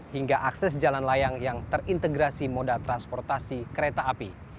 hingga akses jalan layang yang terintegrasi moda transportasi kereta api